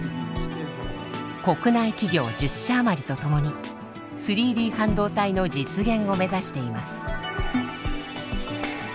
国内企業１０社余りと共に３Ｄ半導体の実現を目指しています。